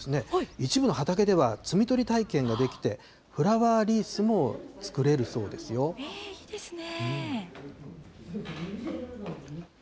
一部の畑では摘み取り体験ができて、フラワーリースも作れるそういいですね。